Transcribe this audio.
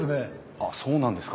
あっそうなんですか？